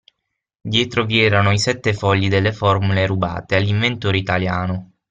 Dentro vi erano i sette fogli delle formule rubate all'inventore italiano.